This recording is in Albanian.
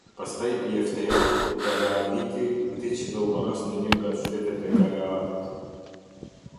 Pastaj Jefteu, Galaaditi, vdiq dhe u varros në një nga qytetet e Galaadit.